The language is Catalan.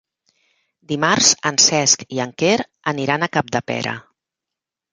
Dimarts en Cesc i en Quer aniran a Capdepera.